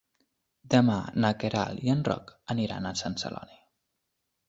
Demà na Queralt i en Roc aniran a Sant Celoni.